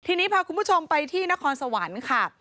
ทีนี้พาคุณผู้ชมไปที่นครสวรรค์ค่ะ